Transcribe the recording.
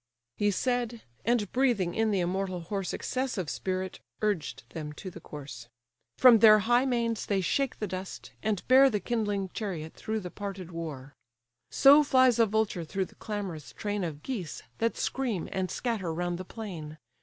He said; and breathing in the immortal horse Excessive spirit, urged them to the course; From their high manes they shake the dust, and bear The kindling chariot through the parted war: So flies a vulture through the clamorous train Of geese, that scream, and scatter round the plain.